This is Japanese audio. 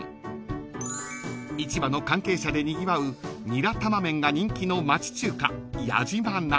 ［市場の関係者でにぎわうニラ玉麺が人気の町中華］